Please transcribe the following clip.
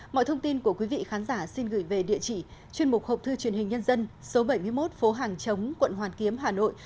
mọi thông tin của quý vị khán giả xin gửi về địa chỉ chuyên mục hộp thư truyền hình nhân dân số bảy mươi một phố hàng chống quận hoàn kiếm hà nội